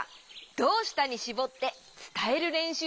「どうした」にしぼってつたえるれんしゅうをしよう！